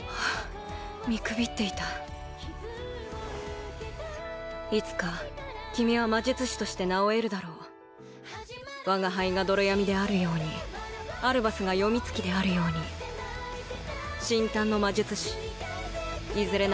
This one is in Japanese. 見くびっていたいつか君は魔術師として名を得るだろう我が輩が泥闇であるようにアルバスが詠月であるように深潭の魔術師いずれ